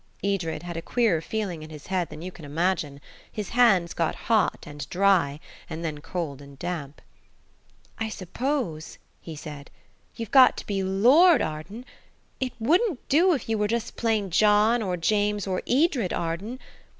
Edred had a queerer feeling in his head than you can imagine; his hands got hot and dry, and then cold and damp. "I suppose," he said, "you've got to be Lord Arden? It wouldn't do if you were just plain John or James or Edred Arden?